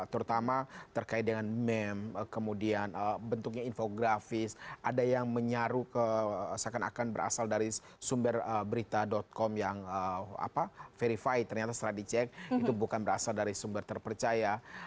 terutama terkait dengan meme kemudian bentuknya infografis ada yang menyaru ke seakan akan berasal dari sumber berita com yang verify ternyata setelah dicek itu bukan berasal dari sumber terpercaya